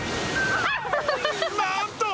なんと！